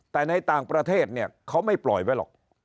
แต่ในต่างประเทศเนี่ยเขาไม่ปล่อยไว้หรอก